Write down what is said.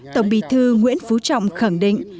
tổng bí thư nguyễn phú trọng khẳng định